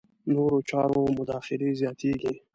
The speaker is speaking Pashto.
نورو چارو مداخلې زیاتېږي.